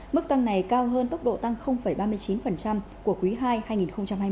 mức tăng này cao hơn tốc độ tăng ba mươi chín của quý ii hai nghìn hai mươi